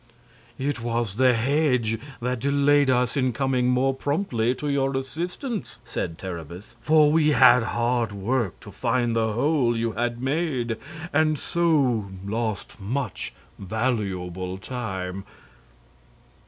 "It was the hedge that delayed us in coming more promptly to your assistance," said Terribus; "for we had hard work to find the hole you had made, and so lost much valuable time."